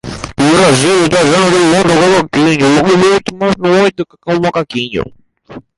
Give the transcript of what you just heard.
Perdió con Venezuela y Brasil y su única victoria la logró ante Uruguay.